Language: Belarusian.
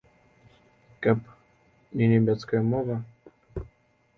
Каб не нямецкая мова.